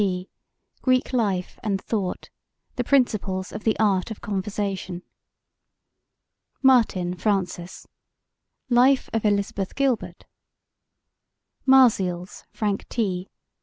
P.: Greek Life and Thought The Principles of the Art of Conversation MARTIN, FRANCES: Life of Elizabeth Gilbert MARZIALS, FRANK T.